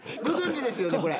ご存じですよね？